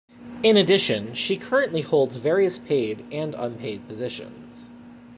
In addition, she currently holds various paid and unpaid positions.